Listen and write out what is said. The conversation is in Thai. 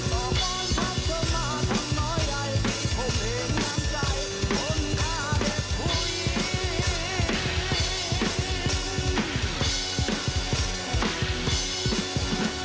มาทำหน่อยใดที่ผมเองน้ำใจมนุษย์เด็กผู้เย็น